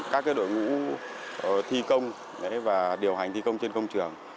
các đội ngũ thi công và điều hành thi công trên công trường